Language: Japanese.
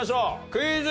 クイズ。